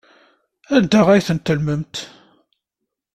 Anda ay ten-tellmemt?